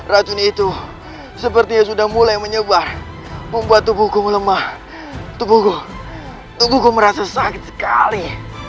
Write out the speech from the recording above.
racuni itu seperti sudah mulai menyebar membuat tubuhku melemah tubuhku merasa sakit sekali